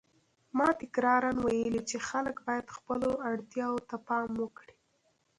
ما تکراراً ویلي چې خلک باید خپلو اړتیاوو ته پام وکړي.